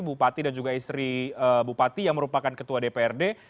bupati dan juga istri bupati yang merupakan ketua dprd